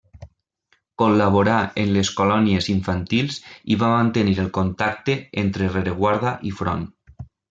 Col·laborà en les colònies infantils i va mantenir el contacte entre rereguarda i front.